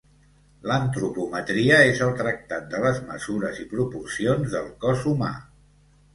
L'antropometria és el tractat de les mesures i proporcions del cos humà.